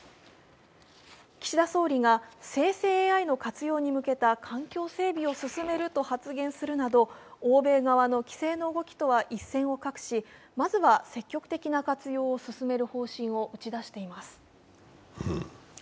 岸田総理が、生成ＡＩの活用に向けた環境整備を進めると発言し欧米側の規制の動きとは一線を画し、まずは積極的な活用を進める方針を打ち出しています。